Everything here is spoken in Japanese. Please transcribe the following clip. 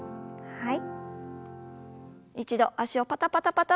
はい。